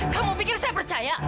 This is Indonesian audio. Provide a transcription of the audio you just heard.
kamu pikir saya percaya